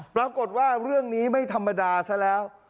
ปรากฏว่าเรื่องนี้ไม่ธรรมดาซะแล้ว